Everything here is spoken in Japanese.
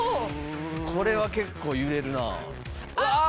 これは結構揺れるなあ。